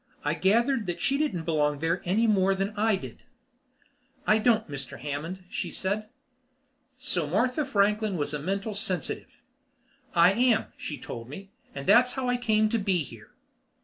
I gathered that she didn't belong there any more than I did. "I don't, Mr. Hammond," she said. So Martha Franklin was a mental sensitive. "I am," she told me. "That's how I came to be here."